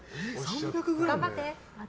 頑張って！